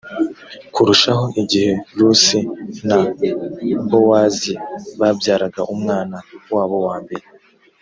kurushaho igihe rusi na bowazi babyaraga umwana wabo wa mbere